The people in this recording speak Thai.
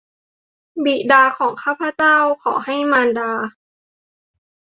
บิดาของข้าพเจ้า ขอให้มารดา